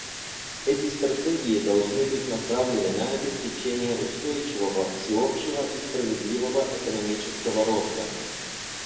Эти стратегии должны быть направлены на обеспечение устойчивого, всеобщего и справедливого экономического роста.